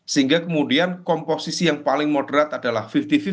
sehingga kemudian komposisi yang paling moderat adalah lima puluh lima puluh